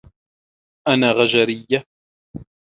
أنا غجريّة.